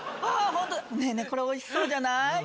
あっホントだこれおいしそうじゃない？